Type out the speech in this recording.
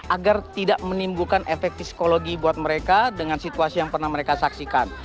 agar tidak menimbulkan efek psikologi buat mereka dengan situasi yang pernah mereka saksikan